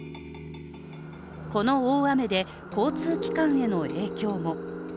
この大雨で、交通機関への影響も。